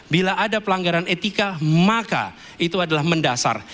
bila ada pelanggaran etika maka itu adalah mendasar